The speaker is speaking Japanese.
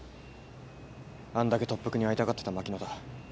あんだけ特服に会いたがってた牧野だ。